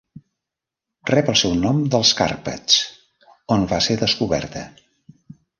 Rep el seu nom dels Carpats, on va ser descoberta.